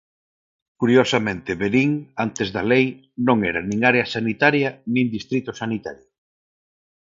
Curiosamente Verín, antes da lei, non era nin área sanitaria nin distrito sanitario.